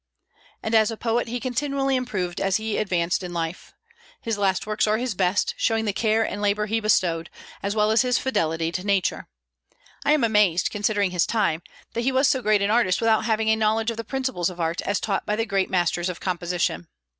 And as a poet he continually improved as he advanced in life. His last works are his best, showing the care and labor he bestowed, as well as his fidelity to nature. I am amazed, considering his time, that he was so great an artist without having a knowledge of the principles of art as taught by the great masters of composition.